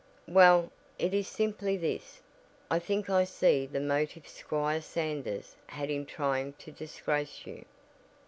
"Well, it is simply this: I think I see the motive Squire Sanders had in trying to disgrace you."